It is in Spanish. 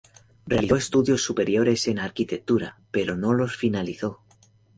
Realizó estudios superiores en arquitectura, pero no los finalizó.